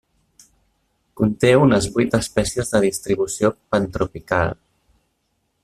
Conté unes vuit espècies de distribució pantropical.